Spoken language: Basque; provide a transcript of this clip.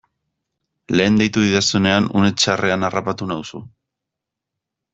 Lehen deitu didazunean une txarrean harrapatu nauzu.